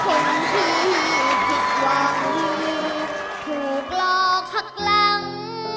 คนที่ผิดหวังที่ถูกรอขักหลัง